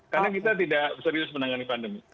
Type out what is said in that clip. karena kita serius tidak menangani pandemi